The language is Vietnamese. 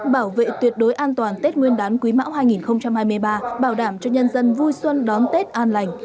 bảo vệ tuyệt đối an toàn tết nguyên đán quý mão hai nghìn hai mươi ba bảo đảm cho nhân dân vui xuân đón tết an lành